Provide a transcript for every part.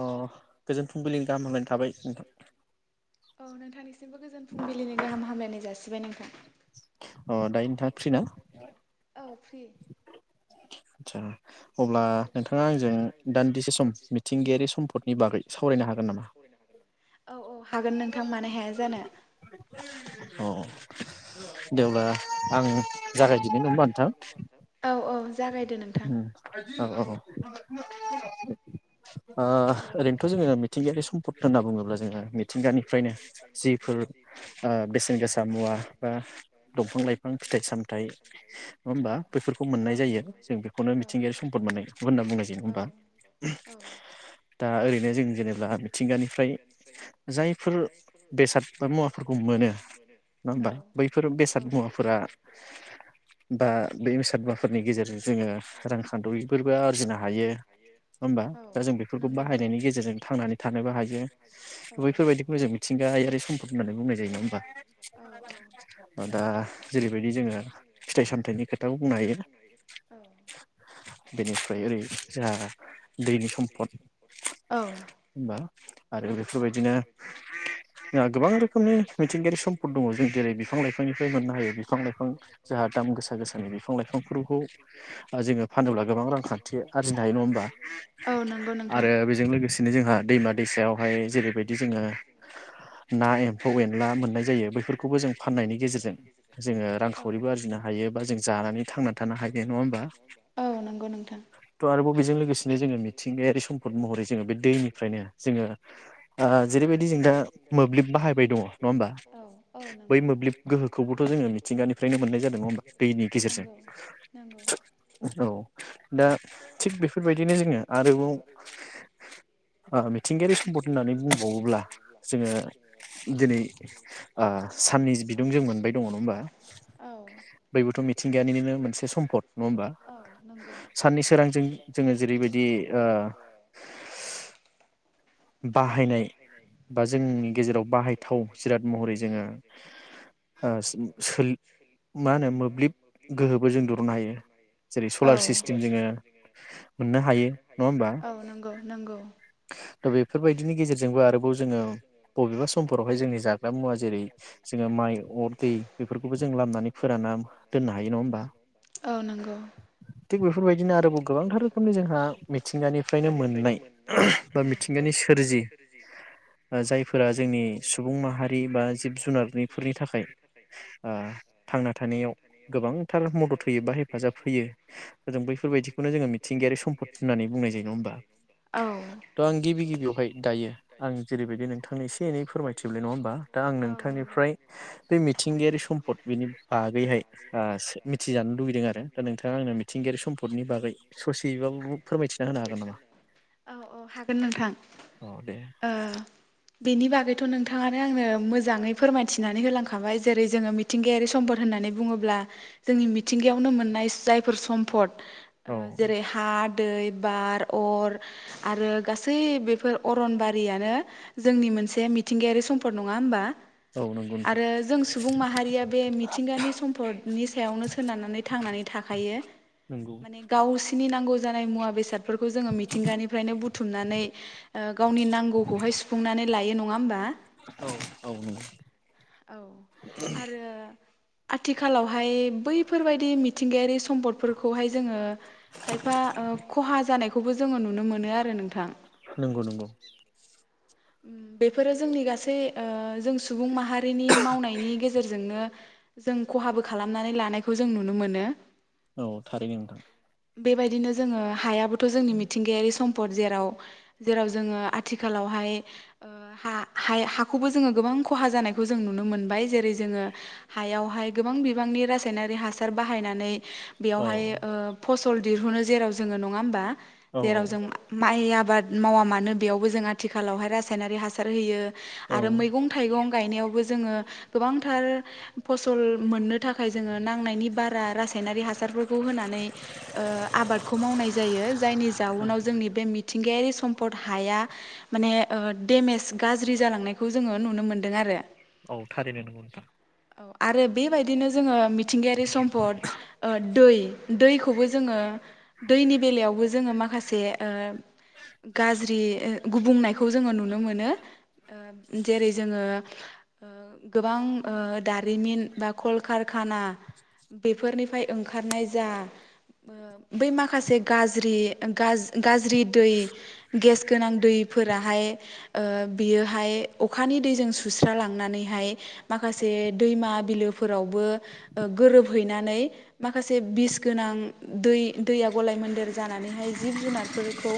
अ गोजोन फुंबिलिनि गाहाम हामलायनाय थाबाय नोंथां। औ नोंथांनि सिमबो गोजोन फुंबिलिनि गाहाम हामलायनाय नाय जासिबाय नोंथां। अ दायो नोंथांङा फ्रिना? आटसा औ औ हागोन नोंथां मानो हाया जानो। [inaudible] दे अब्ला आं जागायदिनि नंबा नोंथां? औ औ। ओ ओरैनोथ' जोङो मिथिंगायारि सम्पद होनना बुङोब्ला जोङो मिथिंगानिफ्रायनो जिफोर ओ बेसेन गोसा मुवा बा दंफां लाइफां फिथाइ सामथाइ नङा होमबा बैफोरखौ मोननाय जायो। जों बेखौनो मिथिंगायारि सम्पद मोननाय होनना बुंनाय जायो होमबा दा ओरैनो जों जेनेबा मिथिंगानिफ्राय जायफोर बेसाद बा मुवाफोरखौ मोनो नङा होमबा बैफोर बेसाद मुवाफोरा बा बे बेसाद मुवाफोरनि गेजेरजों जोङो रांखान्दरिफोरबो आरजिनो हायो होमबा दा जों बेफोरखौ बाहायनायनि गेजेरजों थांनानै थानोबो हायो बैफोरबायदि मोजां मिथिंगायारि सम्फद होननानै बुंनाय जायो नङा होमबा दा जेरैबायदि जोङो फिथाइ सामथाइनि खोथाखौ बुंनो हायो। बेनिफ्राय ओरै जा दैनि सम्पद। होनबा आरो बेफोरबायदिनो जोंहा गोबां रोखोमनि मिथिंगायारि समफोर दङ, जों जेरै बिफां लाइफांनिफ्राय मोननो हायो बिफां लाइफां जोंहा दाम गोसा गोसानि बिफां लाइफांफोरखौ जोङो फानोब्ला गोबां रांखान्थि आरजिनो हायो नङा होमबा? आरो बेजों लोगोसेनो जोंहा दैमा दैसायावहाय जेरैबायदि, जोङो ना एम्फौ एनला मोननाय जायो बैफोरखौबो जों फाननायनि गेजेरजों जोङो रांखावरिबो आरजिनो हायो बा जों जानानै थांनानै थानो हायो। नङा होनबा? त आरोबाव बेजों लोगोसेनो जोङो मिथिंगायारि सम्पद महरै जोङो बे दैनिफ्रायनो जोङो जेरैबायदि जों दा मोब्लिब बाहायबाय दङ नङा होमबा? बै मोब्लिब गोहोखौबोथ' जोङो मिथिंगानिफ्रायनो मोननाय जादों नङा होमबा? दैनि गेजेरजों। औ दा थिग बेफोरबायदिनो जोङो आरोबाव ओ मिथिंगायारि सम्पद होननानै बुंबावोब्ला, जोङो दिनै ओ साननि बिदुं जों मोनबाय दङ नङा होमबा? बबोथ' मिथिंगायारिनो मोनसे सम पट नङा होमबा साननि सोरांजों जोङो जेरैबायदि ओ बाहायनाय बा जोंनि गेजेराव बाहायथाव जिराद महरै जोङो, ओ मा होनो मोब्लिब गोहोबो जों दिहुननो हायो। जेरै सलार सिस्टेम जोङो मोननो हायो नङा होमबा? नोंगौ। दा बेफोरबायदिनि गेजेरजोंबो आरोबाव जोङो, बबेबा समफोरावहाय जोंनि जाग्रा मुवा जेरै जोङो माइ अर दै बेफोरखौबो जों लामनानै फोरानना दोननो हायो नङा होमबा? थिग बेफोरबायदिनो आरोबाव गोबांथार रोखोमनि जोंहा मिथिंगानिफ्रायनो मोन मोननाय बा मि मिथिंगानि सोरजि जायफोरा जोंनि सुबुं माहारि बा जिब जुनारनिफोरनि थाखाय, ओ थांना थानायाव गोबांथार मदद होयो बा हेफाजाब होयो, जों बैफोरबायदिखौनो जोङो मिथिंगायारि सम्पद होननानै बुंनाय जायो नङा होमबा? औ। त' आं गिबि गिबियावहाय दायो आं जेरैबायदि नोंथांनो एसे एनै फोरमायथिलाय नङा होमबा दा आं नोंथांनिफ्राय बे मिथिंगायारि सम्पद बेनि बागैहाय मिथिजानो लुुबैदों आरो दा नोंथाङा आंनो मिथिंगायारि सम्पदनि बागै ससेबाबो फोरमायथिना होनो हागोन नामा? औ औ हागोन नोंथां ओ बेनि बागैथ' नोंथाङानो आंनो मोजाङै फोरमायथिनानै होलांखाबाय जेरै जोङो मिथिंगायारि सम्पद होननानै बुङोब्ला, जोंनि मिथिंगायावनो मोननाय जायफोर सम्पद जेरै हा दै बार अर। आरो गासै बेफोर अरनबारियानो जोंनि मोनसे मिथिंगायारि सम्पद नङा होमबा? आरो जों सुबुं माहारिया बे मिथिंगानि सम्फदनि सायावनो सोनारनानै थांनानै थाखायो माने गावसिनि नांगौ जानाय मुवा बेसादफोरखौ जोङो मिथि फ्रायनो बुथुमनानै ओ गावनि नांगौखौहाय सुफुंनानै लायो नङा होनोमबा? औ औ नगौ। औ आरो आथिखालावहाय बैफोरबायदि मिथिंगायारि सम सम्पदफोरखौ हाय जोङो खायफा ओ खहा जानायखो खौबो जोङो नुनो मोनो आरो नोंथां। नंगौ नंगौ। बेफोरो जोंनि गासै ओ जों सुबुं माहारिनि मावनायनि गेजेरजोंनो जों खहाबो खालामनानै लानायखौ जों नुनो मोनो। औ थारैनो नोंथां। बेबायदिनो जोङो हायाबो थ' जोंनि मिथिंगायारि सम। पट जेराव जेराव जोङो आथिखालावहाय ओ हा हाया हाखौबो जोङो गोबां खहा जानायखौ जों नुनो मोनबाय जेरै जोङो हायावहाय गोबां बिबांनि रासायनारि हासार बाहायनानै। बेयावहाय ओ फस सल दिरहुनो जेराव जोङो नङा होमबा। जेराव जों माइ आब बाद मावा मानो बेयावबो जों आथिखालावहाय रासायनारि हासार होयो। आरो मैगं थाइगं गायनायावबो जोङो गोबांथार फसल मोननो थाखाय जोङो नांनायनि बारा रासायनारि हासारफोरखौ होनानै ओ आबादखौ मावनाय जायो जायनि जाउनाव जोंनि बे मिथि मिथिंगायारि सम्पद हाया माने ओ देमेज गाज्रि जालांनायखौ जोङो नुनो मोनदों आरो। औ आरो बेबायदिनो जोङो मिथिंगायारि सम्पद ओ दै दैखौबो जोङो दैनि बेलायाव जोङो माखासे ओ गाज्रि गुबुंनाय खौ जोङो नुनो मोनो ओ जेरै जोङो ओ गोबां ओ दारिमिन बा कलकारखाना बेफोरनिफ्राय ओंखारनाय जा ओ बै माखासे गाज्रि गाज्रि गाज्रि दै गेस गोनां दैफो फोराहाय बियोहाय अखानि दैजों सुस्रा लांनानैहाय माखासे दैमा बिलोफोरावबो गोरोबहैनानै माखासे बिस गोनां दै दैया गलाय मोन्देर जानानैहाय जिब जुनारफोरखौ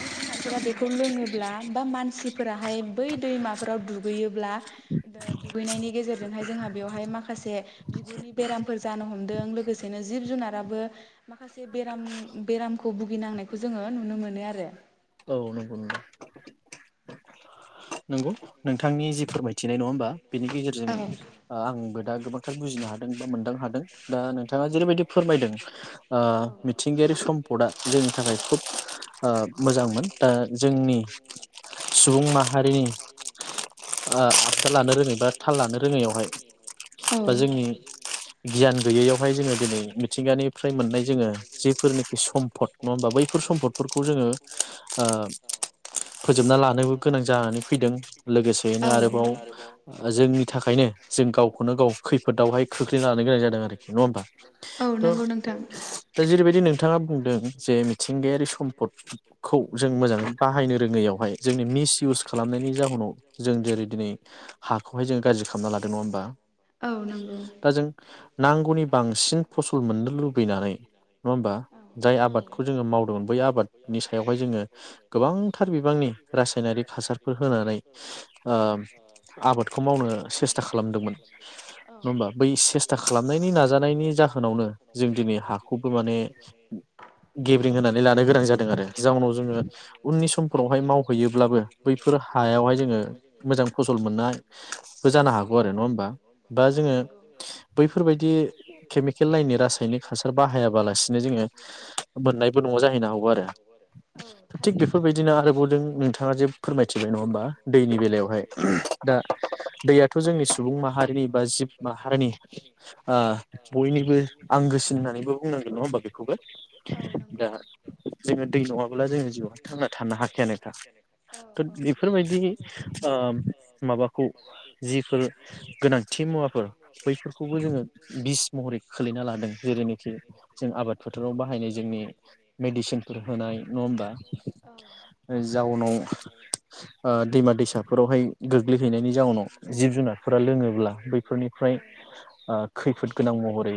जिब जुनारफोरा खौ लोङोब्ला बा मानसिफोराहाय बै दैमाफोराव दुगैयोब्ला ओ दुगैनायनि गेजेरजोंहाय जोंहा बेवहाय माखासे बिगुरनि बेरामफोर जानो हमदों लोगोसेनो जिब जुनाराबो माखासे बेराम बेरामखौ भुगिनांनायखौ जोङो नुनो मोनो आरो। औ नंगौ नोंथांनि जि फोरमायथिनाय नङा होमबा। बेनि गेजेरजों आंबो दा गोबांथार बुजिनो हादों बा मोनदां हादों दा नोंथाङा जेरैबायदि फोरमायदों। ओ मिथिंगायारि सम्पदआ जोंनि थाखाय खुब। ओ मोजांमोन दा जोंनि सुबुं मा हारिनि ओ आदाद लानो रोङै बा थाल लानो रोङैयावहाय बा जोंनि गियान गैयैयावहाय जोङो दिनै मिथिंगानिफ्राय मोननाय जोङो जेफोरनेखि सम्फद नङा होमबा बैफोर सम्फदफोरखौ जोङो ओ फोजोबना लानोबो गोनां जानानै फैदों लोगोसेयैनो आरोबाव जोंनि थाखायनो जों गावखौनो गाव खैफोदावहाय खोख्लैना लानो गोनां जादों आरोखि नङा होमबा थ' दा जेरैबायदि नोंथाङा बुंदों जे मिथिंगायारि सम्पद खौ जों मोजाङै बाहायनो रोङैयावहाय जोंनि मिस इउस। खालामनायनि जाहोनाव जों जेरै दिनै हाखौहाय जों गाज्रि खालामना लादों नङा होमबा दा जों नांगौनि बांसिन फसल मोननो लुगैनानै नङा होमबा जाय आबादखौ जोङो मावदोंमोन बै आबादनि सायाव हाय जोङो गोबांथार बिबांनि रासायनारिक हासार फोर होनानै [unintelligible] आबादखौ मावनो सेस्था खालामदोंमोन नङा होमबा बै सेस्था खालामनायनि नाजानायनि जाहोनावनो जों दिनै हाखौबो माने गेब्रें होनानै लानो गोनां जादों आरो। जाउनाव जोङो उननि समफोरावहाय मावहैयोब्लाबो बैफोर हायावहाय जोङो मोजां फसल मोननायबो जानो हागौ आरो नङा होमबा बा जोङो बैफोरबायदि केमिकेल लाइनि रासायनिक हासार बाहायाबालासिनो जोङो मोननायबो नङा जाहैनो हागौ आरो। थिग बेफोरबायदिनो आरोबावदों नोंथाङा जे फोरमायथिबाय नङा होमबा दैनि बेलायावहाय [unintelligible] दा दैयाथ' जोंनि सुबुं माहारिनि बा जिब माहारिनि आ बयनिबो आंगोसिन होननानैबो बुंनांगोन नङा होमा बेखौबो दा जोङो दै नङाब्ला जोंजों जिउआवहाय थांना थानो हाखायानोखा। बेफोरबायदि ओ माबाखौ जिफोर गोनांथि मुवाफोर बैफोरखौबो जोङो बिस महरै खोलैना लादों जेरैनोखि जों आबाद फोथाराव बाहायनाय जोंनि मेडिसिनफोर होनाय नङाहोमबा ओ जाउनाव ओ दैमा-दैसाफोरावहाय गोग्लैहैनायनि जाउनाव जिब-जुनारफोरा लोङोब्ला बैफोरनिफ्राय आ खैफोद गोनां महरै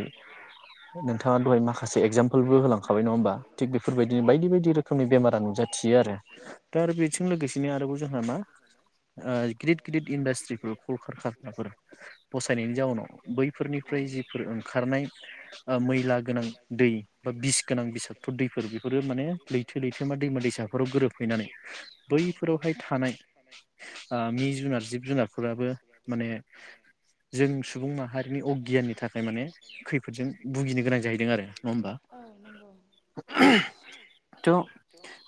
नोंथाङा दहाय माखासे एगजामपोलबो होलांखाब नङा होमबा थिग बेफोरबायदिनो बायदि बायदि खोमनि बेमारा नुजाथियो आरो दा आरो बि जों लोगोसेनो आरोबाव जोंहा मा ओ गिदिद गिदिद इन्डास्ट्रिफोर कल कारखाफोर फसायनायनि जाउनाव बैफोरनिफ्राय जेफोर ओंखारनाय मैला गोनां दै बा बिस गोनां बेसातफोर दैफोर बेफोरो माने लैथो-लैथोमा, दैमा-दैसाफोराव गोरोबहैनानै बैफोरावहाय थानाय आ मि जुनार जिब जुनारफोराबो माने जों सुबुं माहारिनि अगियाननि थाखाय माने खैफोदजों भुगिनो गोनां जाहैदों आरो नङा होमबा [unintelligible] थ'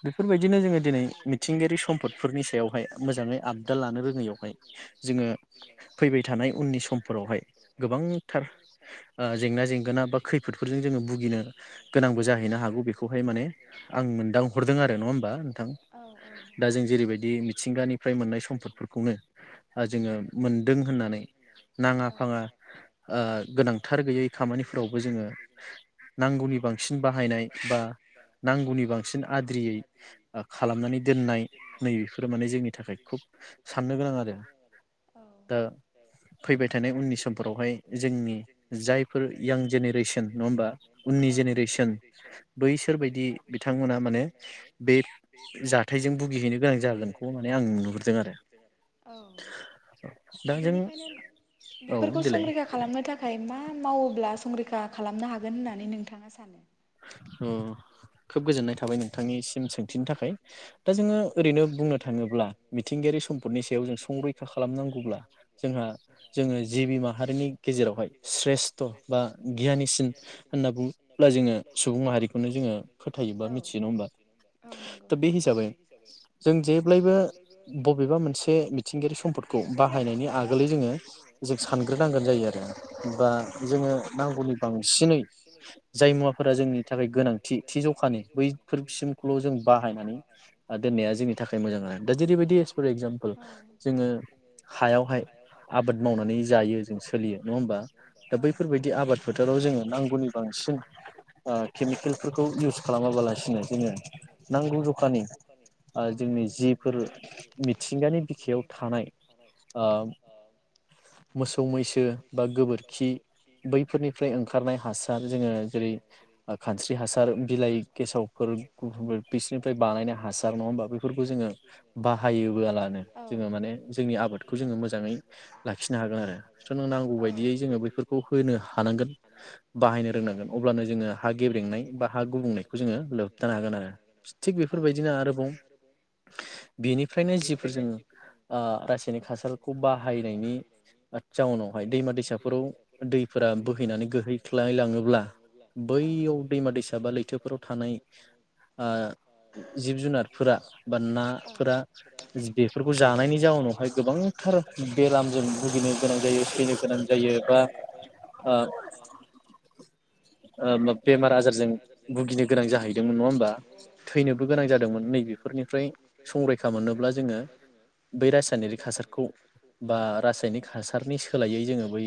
बेफोरबायदिनो जोङो दिनै थिंगायारि सम्फदफोरनि सायावहाय मोजाङै आफदाल लानो रोङैयावहाय जोङो फैबाय थानाय उननि समफोरावहाय गोबांथार ओ जेंना जेंगोना बा खैफोदफोरजों जोङो भुगिनो गोनांबो जाहैनो हागौ बेखौहाय माने आं मोनदांहरदों आरो नङा होमबा नोंथां? दा जों जेरैबायदि मिथिंगानिफ्राय मोननाय सम्फदफोरखौनो ओ जोङो मोनदों होननानै नाङा फाङा ओ गोनांथार गैयै खामानिफोरावबो जोङो नांगौनि बांसिन बाहायनाय बा ना नांगौनि बांसिन आद्रियै ओ खा मनानै दोननाय नै बेफोरो माने जोंनि थाखाय खुब साननो गोनां आरो दा फैबाय थानाय उननि समफोरावहाय जोंनि जायफोर यां जेनेरेसन नङा होमबा उननि जेनेरेसन बैसोरबायदि बिथांमोना माने बे बे जाथाइजों बुगिहैनो गोनां जागोनखौ माने आं नुहरदों आरो। मा मावोब्ला संरैखा खालामनो हागोन होननानै नोंथाङा सानो? अ। खोब गोजोननाय थाबाय नोंथांनिसिम सोंथिनि थाखाय। दा जोङो ओरैनो बुंनो थाङोब्ला मिथिंगायारि सम्पदनि सायाव जों संरैखा खालामनांगौब्ला जोंहा जोङो जिबि माहारिनि गेजेरावहाय स्रेस्थ' बा गियानिसिन होनना बुङोब्ला जोङो सुबुं माहारिखौनो जोङो फोथायो। बा मिथियो नङा होमबा। दा बे हिसाबै जों जेब्लायबो बबेबा मोनसे मिथिंगायारि सम्पदखौ बाहायनायनि आगोलै जोङो जों सानग्रोनांगोन जायो आरो बा जोङो नांगौनि बांसिनै जाय मुवा फ्रा जोंनि थाखाय गोनांथि थिजौखा बैफोरसिमखौल' जों बाहायनानै दोननाया जोंनि थाखाय मोजां आरो दा जेरैबायदि फर एगजामपोल जोङो हायावहाय आबाद मावनानै जायो जों सोलियो नङा होमबा दा बैफोरबायदि आबाद फोथाराव जोङो नांगौनि बांसिन आ केमिकेलफोरखौ इउस खालामाबालासिनो जोङो नांगौ जखानि ओ जोंनि जिफोर मिथिंगानि बिखायाव थानाय ओ मोसौ मैसो बा गोबोरखि बैफोरनिफ्राय ओंखारनाय हासार जोङो ओ खानस्रि हासार बिलाइ गेसावफोर गुबुफुफोर बिसोरनिफ्राय बानायनाय हासार नङा होमबा बेफोरखौ जोङो बाहायोबोलानो जोङो माने जोंनि आबादखौ जोङो मोजाङै लाखिनो हागोन आरो स' नों नांगौ बायदियै जोङो बैफोरखौ होनो हानांगोन बाहायनो रोंनांगोन अब अब्लानो जोङो हा गेब्रेंनाय बा हा गुबुंनाय खौ जोङो लोबथानो हागोन आरो थिग बेफोरबायदिनो आरोबाव बेनिफ्रायनो जिफोर जों आ रासायनिक हासारखौ बाहायनायनि जाउनावहाय दैमा दैसाफोराव दैफोरा बोहैनानै गोहैख्लायलाङोब्ला बैयाव दैमा दैसा बा लै थोफोराव थानाय आ जिब जुनारफोरा बा नाफोरा बेफोरखौ जानायनि जाउनावहाय गोबांथार बेरामजों भुगिनो गोनां जायो थैनो गोनां जायो बा आ ओ मो बेमार आजार जो ओम बुगिनो गोनां जाहैदोंमोन नङा होमबा थैनोबो गोनां जादोंमोन नैबेफोरनिफ्राय संरैखा मोनोब्ला जोङो बै रासायनारिक हासारखौ बा रासायनिक हासारनि सोलायै जोङो बै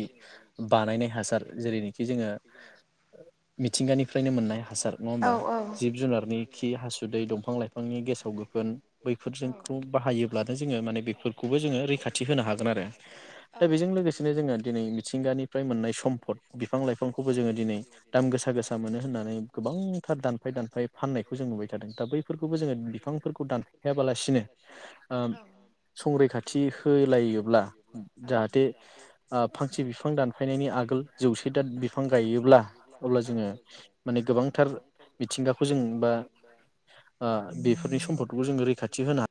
बानायनाय हासार जेरैनोखि जोङो मिथिंगानिफ्रायनो मोनना नङा होमबा जिब जुनारनि खि हासुदै दंफां लाइफांनि गेसाव गोफोन बैफोरजोंखौ बाहायोब्लानो जोङो माने बेफोरखौबो जोङो रैखाथि होनो हागोन आरो दा बेजों लोगोसेनो जोङो दिनै मिथिंगानिफ्राय मोननाय सम्फद बिफां लाइफांखौबो जोङो दिनै दाम गोसा गोसा मोनो होननानै गोबांथार दानफाय दानफाय फाननायखौ जों नुबाय थादों दा बैफोरखौबो जोङो बिफांफोरखौ दानफायाबालासिनो ओम संरैखाथि होलायोब्ला जाहाथे आ फांसे बिफां दानफायनायनि आगोल जौसे दाद बिफां गायोब्ला अब्ला जोङो माने गोबां थार मिथिंगाखौ जों बा आ बेफोरनि सम्पदखौ जोंङो रैखाथि होनो हा